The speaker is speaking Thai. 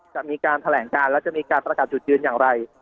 จะมีการแถลงการและจะมีการประกาศจุดยืนอย่างไร